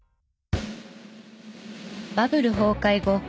バブル崩壊後